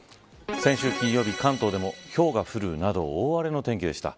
先週金曜日、関東でもひょうが降るなど大荒れの天気でした。